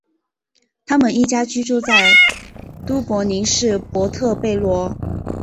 他们一家居住在都柏林市波特贝罗。